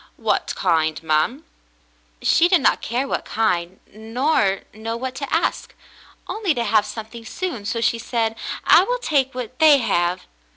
"Wot kind, ma'm ?" She did not care what kind, nor know for what to ask, only to have something soon, so she said :—« "I will take what they have."